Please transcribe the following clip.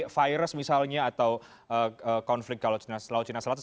virus misalnya atau konflik kalau laut cina selatan